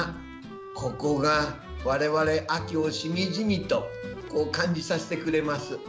ここが秋をしみじみと感じさせてくれます。